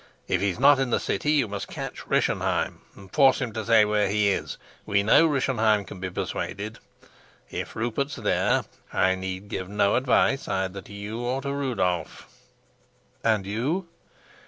If he's not in the city, you must catch Rischenheim, and force him to say where he is; we know Rischenheim can be persuaded. If Rupert's there, I need give no advice either to you or to Rudolf." "And you?"